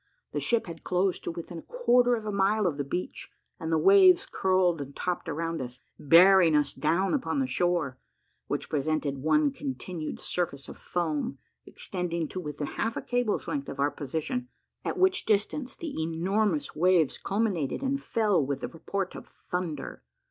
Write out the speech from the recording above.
The ship had closed to within a quarter of a mile of the beach, and the waves curled and topped around us, bearing us down upon the shore, which presented one continued surface of foam, extending to within half a cable's length of our position, at which distance the enormous waves culminated and fell with the report of thunder.